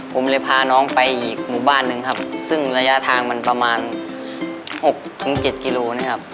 ผมเลยพาน้องไปอีกหมู่บ้านหนึ่งครับซึ่งระยะทางมันประมาณ๖๗กิโลนะครับ